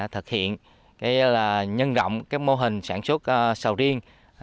thực hiện nhân rộng mô hình sản xuất sầu riêng